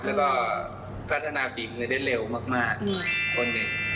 แล้วก็พัฒนาฝีมือได้เร็วมากคนหนึ่ง